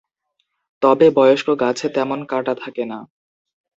তবে বয়স্ক গাছে তেমন কাঁটা থাকে না।